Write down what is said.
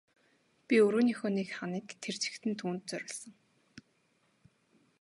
Би өрөөнийхөө нэг ханыг тэр чигт нь түүнд зориулсан.